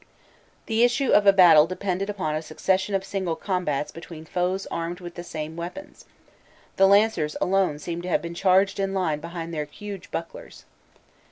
The issue of a battle depended upon a succession of single combats between foes armed with the same weapons; the lancers alone seem to have charged in line behind their huge bucklers.